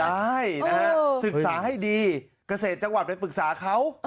ใช่นะฮะศึกษาให้ดีเกษตรจังหวัดไปปรึกษาเขา